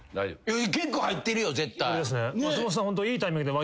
結構入ってるよ絶対。